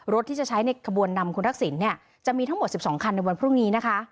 ที่จะใช้ในขบวนนำคุณทักษิณจะมีทั้งหมด๑๒คันในวันพรุ่งนี้นะคะ